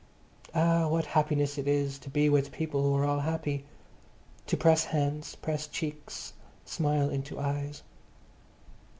Ah, what happiness it is to be with people who all are happy, to press hands, press cheeks, smile into eyes.